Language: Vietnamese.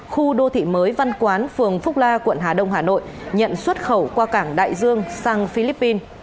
khu đô thị mới văn quán phường phúc la quận hà đông hà nội nhận xuất khẩu qua cảng đại dương sang philippines